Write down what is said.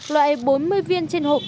loại bốn mươi viên trên hộp